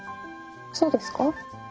そうですか？